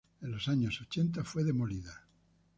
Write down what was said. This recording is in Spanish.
En los años ochenta fue demolida.